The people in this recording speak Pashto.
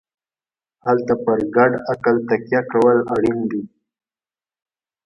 هلته پر ګډ عقل تکیه کول اړین دي.